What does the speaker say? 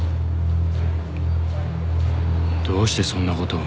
どうしてそんなことを。